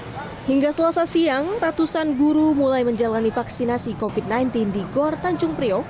hai hingga selesai siang ratusan guru mulai menjalani vaksinasi kopit sembilan belas di gor tanjung priok